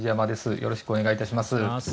よろしくお願いします。